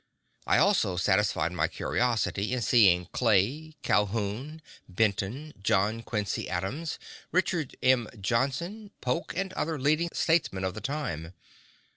I also satisfied my curiosity in seeing Clay, Calhoun, Benton, John Quincy Adams, Richard M. Johnson, Polk, and other leading statesmen of the time.